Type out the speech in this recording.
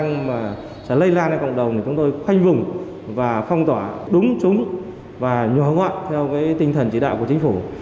có khả năng lây lan đến cộng đồng thì chúng tôi khoanh vùng và phong tỏa đúng chúng và nhỏ ngoạn theo tinh thần chỉ đạo của chính phủ